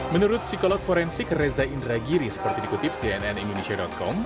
menurut psikolog forensik reza indragiri seperti dikutip cnn indonesia com